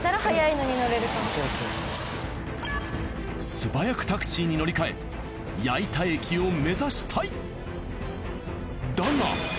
素早くタクシーに乗り換え矢板駅を目指したい！